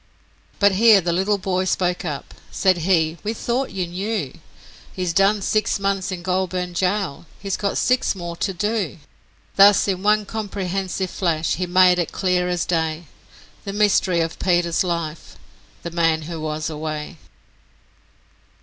But here the little boy spoke up said he, 'We thought you knew; He's done six months in Goulburn gaol he's got six more to do.' Thus in one comprehensive flash he made it clear as day, The mystery of Peter's life the man who was away.